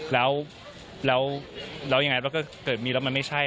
แล้วยังไงว่าก็เกิดมีแล้วมันไม่ใช่